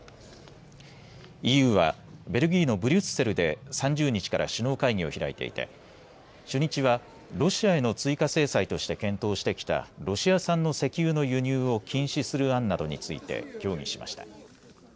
ＥＵはベルギーのブリュッセルで３０日から首脳会議を開いていて初日はロシアへの追加制裁として検討してきたロシア産の石油の輸入を禁止する案などについて協議しました。